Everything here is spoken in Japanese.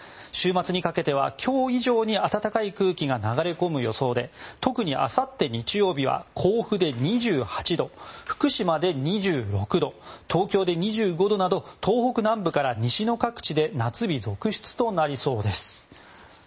週末にかけては今日以上に暖かい空気が流れ込む予想で特にあさって日曜日は甲府で２８度福島で２６度、東京で２５度など東北南部から西の各地で夏日続出となりそうです。